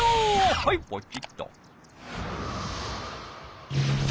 はいポチッと。